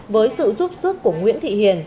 với sự giúp sức của nguyễn thị hiền